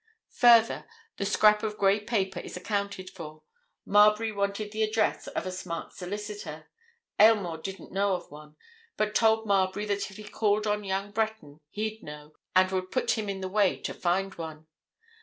Further, the scrap of grey paper is accounted for. Marbury wanted the address of a smart solicitor; Aylmore didn't know of one but told Marbury that if he called on young Breton, he'd know, and would put him in the way to find one.